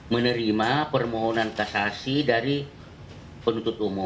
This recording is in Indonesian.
menerima permohonan kasasi dari penuntut umum